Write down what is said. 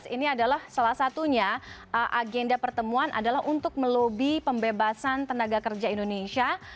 dua ribu lima belas ini adalah salah satunya agenda pertemuan adalah untuk melobi pembebasan tenaga kerja indonesia